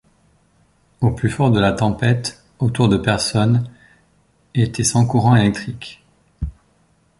Au plus fort de la tempête, autour de personnes étaient sans courant électrique.